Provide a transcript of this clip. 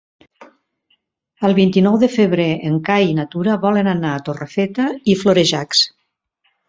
El vint-i-nou de febrer en Cai i na Tura volen anar a Torrefeta i Florejacs.